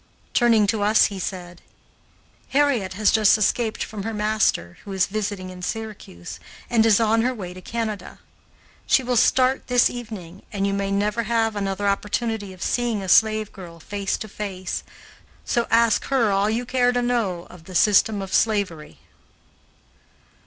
Turning to us he said: "Harriet has just escaped from her master, who is visiting in Syracuse, and is on her way to Canada. She will start this evening and you may never have another opportunity of seeing a slave girl face to face, so ask her all you care to know of the system of slavery."